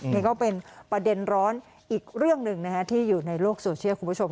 นี่ก็เป็นประเด็นร้อนอีกเรื่องหนึ่งที่อยู่ในโลกโซเชียลคุณผู้ชม